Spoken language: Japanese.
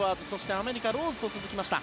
アメリカのローズと続きました。